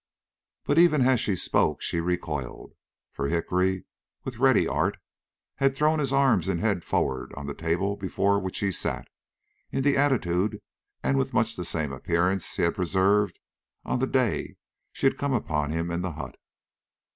But even as she spoke she recoiled, for Hickory, with ready art, had thrown his arms and head forward on the table before which he sat, in the attitude and with much the same appearance he had preserved on the day she had come upon him in the hut.